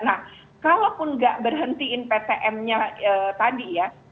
nah kalaupun gak berhenti ptmnya tadi ya